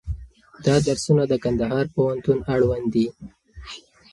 دا درسونه د کندهار پوهنتون اړوند دي.